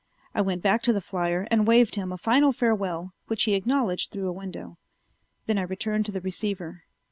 I went back to the flier and waved him a final farewell, which he acknowledged through a window; then I returned to the receiver.